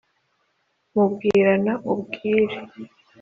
mubwirana ubwira